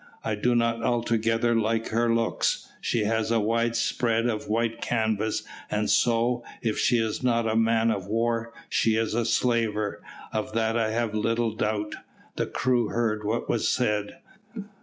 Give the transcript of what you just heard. I do not altogether like her looks. She has a widespread of white canvas, and so, if she is not a man of war, she is a slaver, of that I have little doubt." The crew heard what was said.